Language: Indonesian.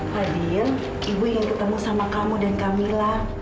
fadil ibu ingin ketemu sama kamu dan kamila